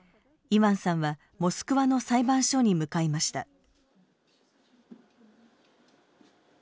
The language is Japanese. イワンさんはモスクワの裁判所に向かいました。